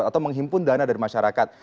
atau menghimpun dana dari masyarakat